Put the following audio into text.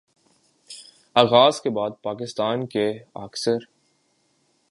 آغاز کے بعد پاکستان کے اکثر